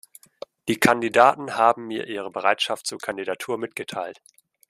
Die Kandidaten haben mir ihre Bereitschaft zur Kandidatur mitgeteilt.